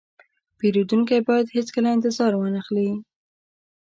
پیرودونکی باید هیڅکله انتظار وانهخلي.